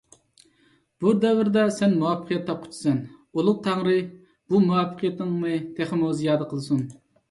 بۇ دەۋردە سەن مۇۋەپپەقىيەت تاپقۇچىسەن. ئۇلۇغ تەڭرى بۇ مۇۋەپپەقىيىتىڭنى تېخىمۇ زىيادە قىلسۇن.